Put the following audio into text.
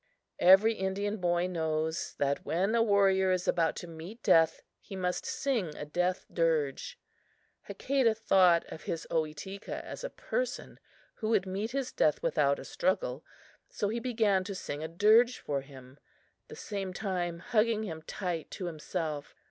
Every Indian boy knows that, when a warrior is about to meet death, he must sing a death dirge. Hakadah thought of his Ohitika as a person who would meet his death without a struggle, so he began to sing a dirge for him, at the same time hugging him tight to himself.